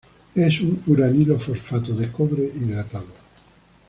Es un uranilo-fosfato de cobre, hidratado.